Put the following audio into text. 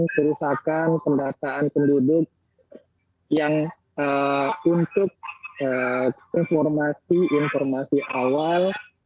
terus akan pendataan penduduk yang untuk informasi informasi awal